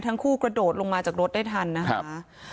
ทั้งคู่กระโดดลงมาจากรถได้ทันนะคะ